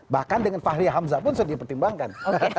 bahkan dengan fahri hamzah pun sudah dipertimbangkan